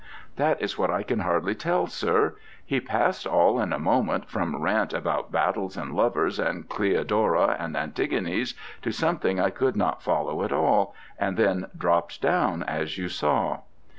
"That is what I can hardly tell, sir: he passed all in a moment from rant about battles and lovers and Cleodora and Antigenes to something I could not follow at all, and then dropped down as you saw."